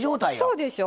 そうでしょ。